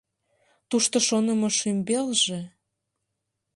Тушто шонымо шӱмбелже...